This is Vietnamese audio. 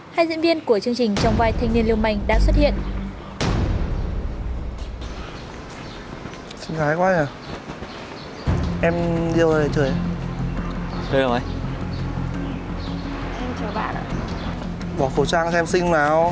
hai diễn viên của chương trình trong vai thanh niên lưu manh đã xuất hiện